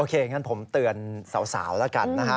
อย่างนั้นผมเตือนสาวแล้วกันนะฮะ